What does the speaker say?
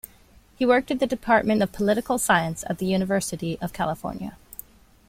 He worked at the department of political science at the University of California.